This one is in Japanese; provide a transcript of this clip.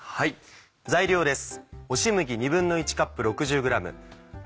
材料です。